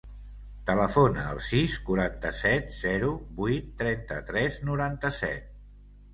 Telefona al sis, quaranta-set, zero, vuit, trenta-tres, noranta-set.